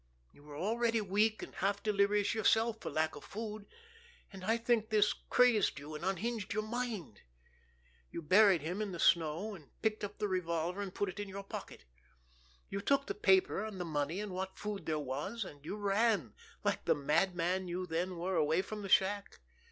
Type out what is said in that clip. You were already weak and half delirious yourself for lack of food, and I think this crazed you and unhinged your mind. You buried him in the snow, and picked up the revolver and put it in your pocket. You took the paper and the money and what food there was, and you ran, like the madman you then were, away from the shack.